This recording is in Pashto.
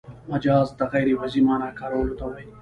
مجاز د غیر وضعي مانا کارولو ته وايي.